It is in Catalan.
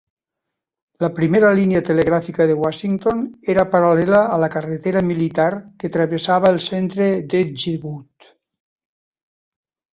La primera línia telegràfica de Washington era paral·lela a la carretera militar que travessava el centre d'Edgewood.